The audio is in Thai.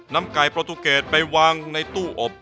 นำไก่ประตูเกรดไปวางในตู้อบ